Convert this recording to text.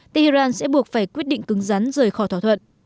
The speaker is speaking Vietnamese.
tehran sẽ buộc phải quyết định cứng rắn rời khỏi thỏa thuận